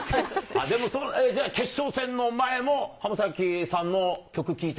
でもじゃあ決勝戦の前も浜崎さんの曲聴いて？